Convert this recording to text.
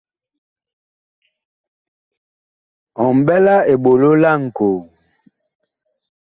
Ɔ mɓɛ la eɓolo laŋkoo ?